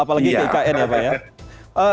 apalagi pkn ya pak ya